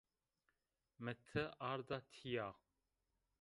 Mi ti arda tîya